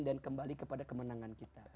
dan kembali kepada kemenangan kita